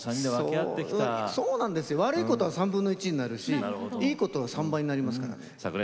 悪いことは３分の１になるしいいことは３倍になりますから。